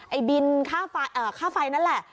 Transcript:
ไอบินค่าไฟนั่นแหละ